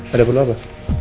ada perlu apa